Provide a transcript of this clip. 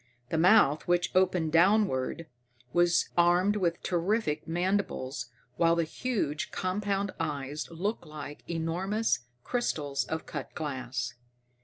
The mouth, which opened downward, was armed with terrific mandibles, while the huge, compound eyes looked like enormous crystals of cut glass.